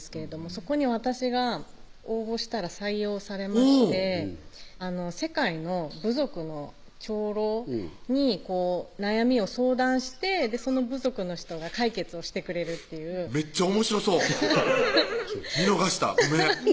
そこに私が応募したら採用されまして世界の部族の長老に悩みを相談してその部族の人が解決をしてくれるっていうめっちゃおもしろそう見逃したごめん